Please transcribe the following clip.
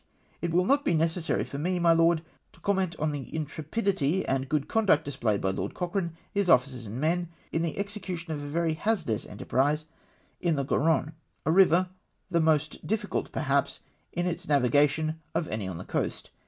It will not be necessary for me, my Lord, to comment on the in trepidity and good conduct displayed by Lord Cochrane, his officers and men, in the execution of a very hazardous enter prise in the Graronne, a river, the most difficult, perhaps, in its navigation, of any on the coast.